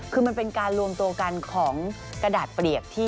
คือมันเป็นการรวมตัวกันของกระดาษเปรียบที่